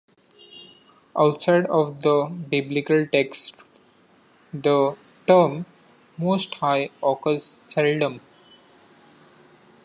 Outside of the Biblical texts the term "Most High" occurs seldom.